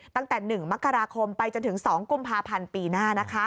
ตั้งแต่๑มกราคมไปจนถึง๒กุมภาพันธ์ปีหน้า